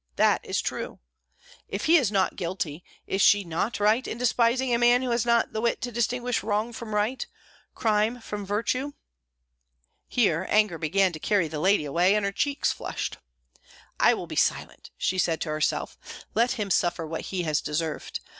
That is true! If he is not guilty, is she not right in despising a man who has not the wit to distinguish wrong from right, crime from virtue?" Here anger began to carry the lady away, and her cheeks flushed. "I will be silent!" said she to herself. "Let him suffer what he has deserved.